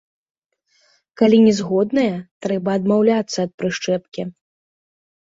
Калі не згодныя, трэба адмаўляцца ад прышчэпкі.